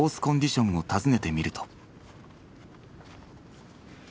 コンディションを尋ねてみると。